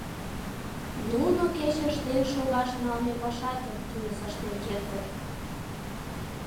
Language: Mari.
Нуно кеч ыштен шогаш налме пашаштым тӱрыс ыштен кертыт.